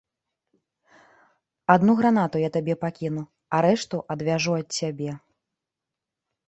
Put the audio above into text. Адну гранату я табе пакіну, а рэшту адвяжу ад цябе.